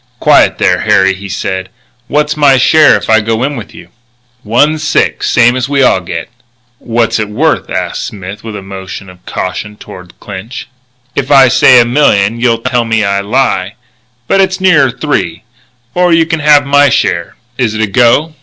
"Quiet there, Harry," he said. "What's my share if I go in with you?" "One sixth, same's we all get." "What's it worth?" asked Smith, with a motion of caution toward Clinch. "If I say a million you'll tell me I lie. But it's nearer three or you can have my share. Is it a go?"